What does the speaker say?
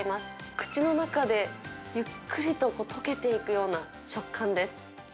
口の中でゆっくりと溶けていくような食感です。